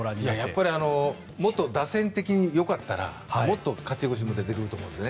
やっぱりもっと打線的によかったらもっと勝ち星も出てくると思うんです。